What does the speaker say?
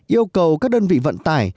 yêu cầu các đơn vị vận tải